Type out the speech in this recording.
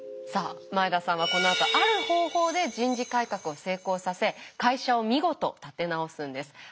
さあ前田さんはこのあとある方法で人事改革を成功させ会社を見事立て直すんです。